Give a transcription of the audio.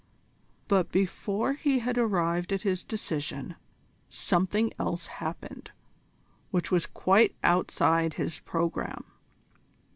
But before he had arrived at his decision, something else happened which was quite outside his programme.